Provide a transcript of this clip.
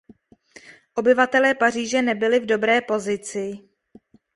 Obyvatelé Paříže nebyli v dobré pozici.